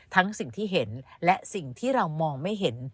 ทั้งสิ่งที่เห็นและสิ่งที่เรามองไม่เห็น